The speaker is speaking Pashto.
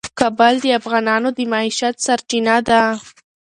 کابل د افغانانو د معیشت سرچینه ده.